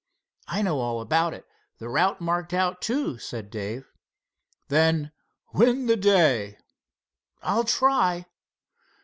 "I know all about it—the route marked out, too," said Dave. "Then win the day!" "I'll try."